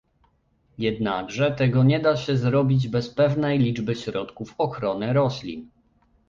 Jednakże tego nie da się zrobić bez pewnej liczby środków ochrony roślin